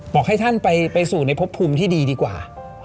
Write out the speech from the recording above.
บอกให้ท่านไปสู่ในพบภูมิที่ดีดีกว่า